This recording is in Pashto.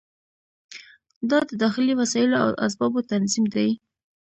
دا د داخلي وسایلو او اسبابو تنظیم دی.